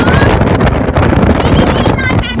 เมื่อเกิดขึ้นมันกลายเป้าหมายเป้าหมายเป้าหมาย